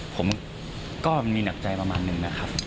ผมก็มีหนักใจประมาณหนึ่งนะครับ